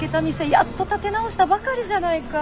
やっと立て直したばかりじゃないか。